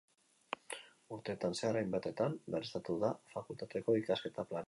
Urteetan zehar hainbatetan berriztatu da Fakultateko ikasketa-plana.